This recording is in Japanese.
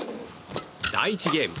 第１ゲーム。